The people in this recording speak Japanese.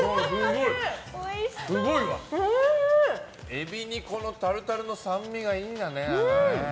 エビにこのタルタルの酸味がいいんだね。